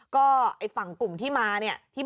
ก็ไอ้ฝั่งกลุ่มที่มาเนี่ย